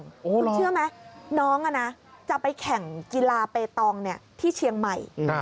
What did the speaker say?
เชื่อไหมน้องจะไปแข่งกีฬาเปตองที่เชียงใหม่